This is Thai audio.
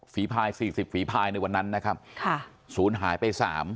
พาย๔๐ฝีภายในวันนั้นนะครับศูนย์หายไป๓